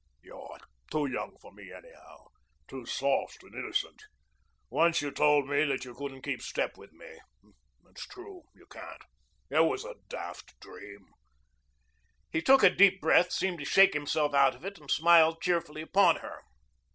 "You're too young for me, anyhow, too soft and innocent. Once you told me that you couldn't keep step with me. It's true. You can't. It was a daft dream." He took a deep breath, seemed to shake himself out of it, and smiled cheerfully upon her.